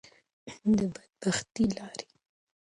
د بدبختی لارې.